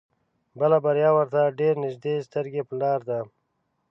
بله بريا ورته ډېر نيږدې سترګې په لار ده.